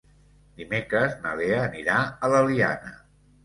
Dimecres na Lea anirà a l'Eliana.